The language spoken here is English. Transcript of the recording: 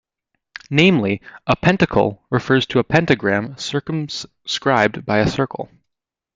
Namely, a "pentacle" refers to a "pentagram" circumscribed by a circle.